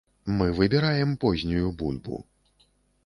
Мы выбіраем познюю бульбу.